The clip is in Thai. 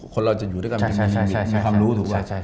คนเราจะอยู่ด้วยกันมีความรู้ถูกไหม